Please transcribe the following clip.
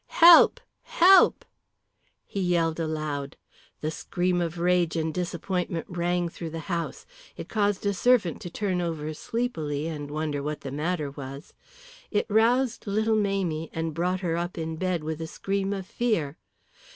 Help! Help!" He yelled aloud. The scream of rage and disappointment rang through the house. It caused a servant to turn over sleepily and wonder what the matter was, it roused little Mamie, and brought her up in bed with a scream of fear.